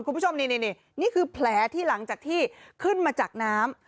คุณผู้ชมนี่นี่คือแผลที่หลังจากที่ขึ้นมาจากน้ำ